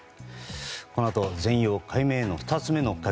このあと、全容解明への２つ目の鍵